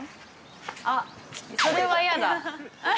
あっ、それは嫌だ？